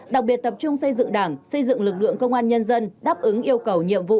đặc biệt tập trung xây dựng đảng xây dựng lực lượng công an nhân dân đáp ứng yêu cầu nhiệm vụ